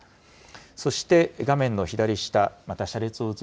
そして画面の左下、また車列を映